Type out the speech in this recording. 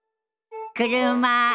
車。